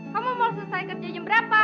kamu mau selesai kerjanya berapa